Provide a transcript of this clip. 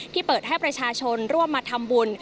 เปิดให้ประชาชนร่วมมาทำบุญ